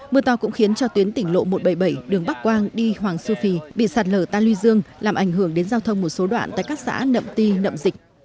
mưa to cũng khiến cho tuyến tỉnh lộ một trăm bảy mươi bảy đường bắc quang đi hoàng su phi bị sạt lở ta luy dương làm ảnh hưởng đến giao thông một số đoạn tại các xã nậm ti nậm dịch